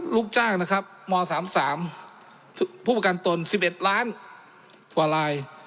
ลูกจ้างนะครับมสามสามผู้ประกันตนสิบเอ็ดล้านกว่าลาย